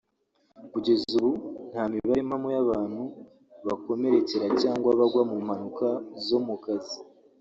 Kugeza ubu nta mibare mpamo y’abantu bakomerekera cyangwa bagwa mu mpanuka zo mu kazi